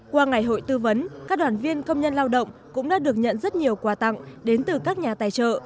qua ngày hội tư vấn các đoàn viên công nhân lao động cũng đã được nhận rất nhiều quà tặng đến từ các nhà tài trợ